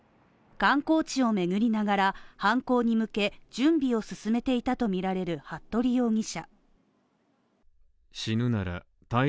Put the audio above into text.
観光地を巡りながら、犯行に向け準備を進めていたとみられる服部容疑者。